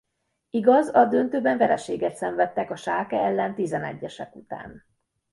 Igaz a döntőben vereséget szenvedtek a Schalke ellen tizenegyesek után.